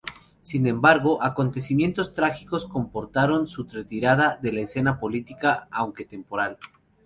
Sin embargo, acontecimientos trágicos comportaron su retirada de la escena política, aunque temporal.